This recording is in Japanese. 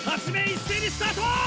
一斉にスタート！